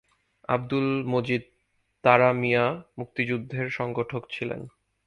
আব্দুল মজিদ তারা মিয়া মুক্তিযুদ্ধের সংগঠক ছিলেন।